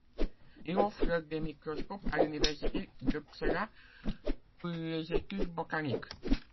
Il offre des microscopes à l'université d'Uppsala pour les études botaniques.